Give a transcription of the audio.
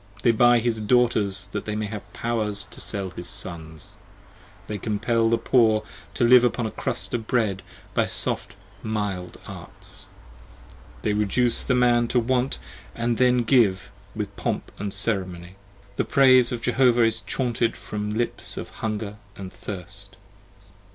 They buy his Daughters that they may have power to sell his Sons; 30 They compell the Poor to live upon a crust of bread by soft mild arts; They reduce the Man to want, then give with pomp & ceremony. The praise of Jehovah is chaunted from lips of hunger & thirst.